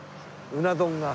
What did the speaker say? うな丼が。